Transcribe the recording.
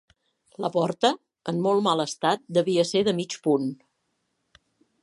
La porta, en molt mal estat, devia ser de mig punt.